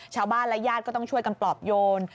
ชาวบ้านและญาติก็ต้องช่วยกันปลอบโยน